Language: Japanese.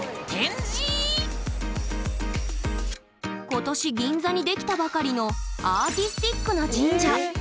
今年銀座に出来たばかりのアーティスティックな神社。